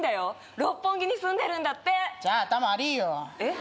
六本木に住んでるんだってじゃあ頭悪いよえっ？